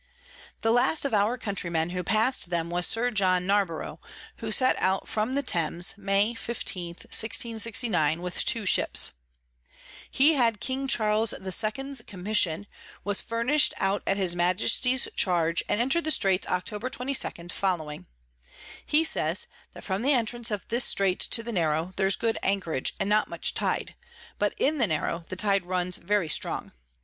The last of our Countrymen who pass'd them was Sir John Narborough, who set out from the Thames, May 15. 1669. with two Ships. He had K. Charles II's Commission, was furnish'd out at his Majesty's Charge, and enter'd the Straits October 22. following. He says, that from the Entrance of this Strait to the Narrow there's good Anchorage, and not much Tide, but in the Narrow the Tide runs very strong.